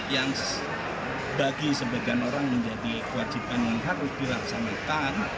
yang bagi sebagian orang menjadi kewajiban yang harus dilaksanakan